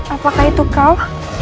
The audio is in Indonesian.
apakah itu kau